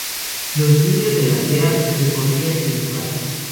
Los niños de la aldea recorrían el lugar.